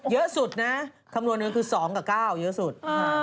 เยอะสุดนะคำนวณหนึ่งคือ๒กับ๙เยอะสุด